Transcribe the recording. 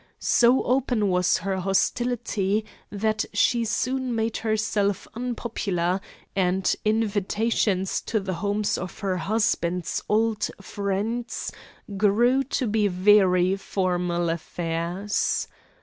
So open was her hostility that she soon made herself unpopular; and invitations to the homes of her husband's old friends grew to be very formal affairs.